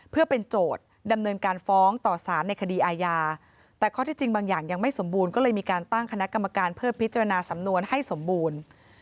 เพื่อเป็นโจทย์ดำเนินการฟ้องต่อสารในคดีอาญาแต่ข้อที่จริงบางอย่างยังไม่สมบูรณ์ก็เลยมีการตั้งคณะกรรมการเพื่อพิจารณาสำนวนให้สมบูรณ์